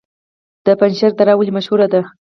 د پنجشیر دره ولې مشهوره ده؟